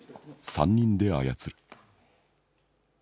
三人で操る。